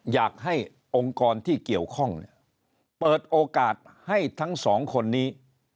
อยากให้องค์กรที่เกี่ยวข้องเปิดโอกาสให้ทั้งสองคนนี้